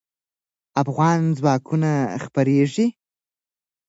افغان ځواکونه خپرېږي.